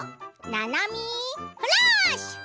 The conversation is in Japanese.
「ななみフラッシュ」。